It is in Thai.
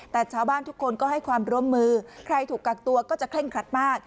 แต่ชาวบ้านทุกคนก็ให้ความร่วมมือใครถูกกักตัวก็จะเคร่งครัดมาก